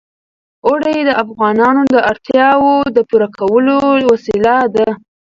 اوړي د افغانانو د اړتیاوو د پوره کولو وسیله ده.